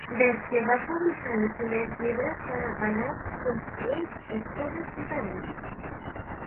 Des que va publicar el primer llibre s'ha anat construint excuses diferents.